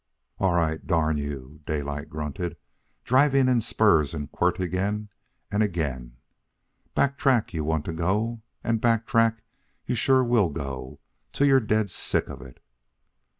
"All right, darn you!" Daylight grunted, driving in spurs and quirt again and again. "Back track you want to go, and back track you sure will go till you're dead sick of it."